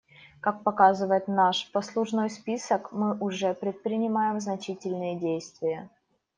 Как показывает наш послужной список, мы уже предпринимаем значительные действия.